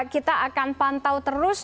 kita akan pantau terus